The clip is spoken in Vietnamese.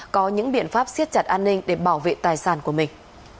có những biện pháp siết chặt an ninh để bảo vệ tài sản của mình